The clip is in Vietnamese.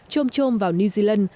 chôm chôm vào new zealand